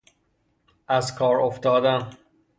از کار افتادن